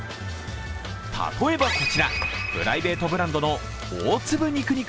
例えばこちら、プライベートブランドの大粒肉々